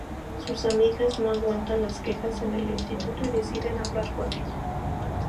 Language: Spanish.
Sus amigas no aguantan las quejas en el instituto y deciden hablar con ella.